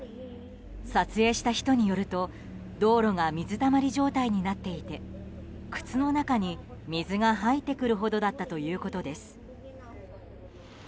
撮影した人によると道路が水たまり状態になっていて靴の中に水が入ってくるほどだったということです。